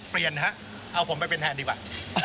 เปลี่ยนฮะเอาผมไปเป็นแทนดีกว่า